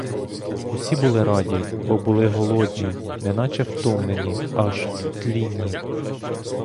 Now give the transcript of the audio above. Усі були раді, бо були голодні, неначе втомлені, аж тлінні.